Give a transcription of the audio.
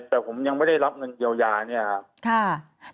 แต่ผมยังไม่ได้รับเงินเยียวยาเนี่ยครับ